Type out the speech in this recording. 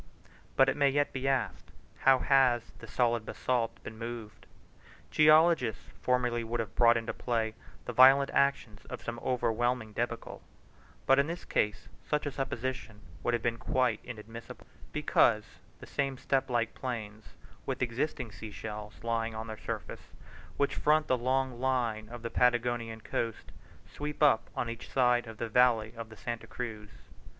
But it may yet be asked, how has the solid basalt been moved? Geologists formerly would have brought into play the violent action of some overwhelming debacle; but in this case such a supposition would have been quite inadmissible, because, the same step like plains with existing sea shells lying on their surface, which front the long line of the Patagonian coast, sweep up on each side of the valley of Santa Cruz.